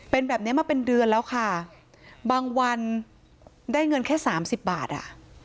เป็นแบบเนี้ยมาเป็นเดือนแล้วค่ะบางวันได้เงินแค่สามสิบบาทอ่ะ